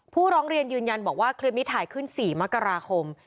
ร้องเรียนยืนยันบอกว่าคลิปนี้ถ่ายขึ้น๔มกราคม